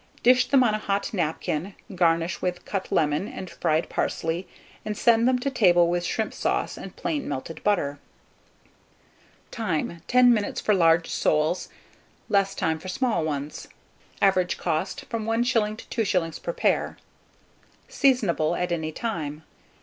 Dish them on a hot napkin, garnish with cut lemon and fried parsley, and send them to table with shrimp sauce and plain melted butter. Time. 10 minutes for large soles; less time for small ones. Average cost, from 1s. to 2s. per pair. Seasonable at any time.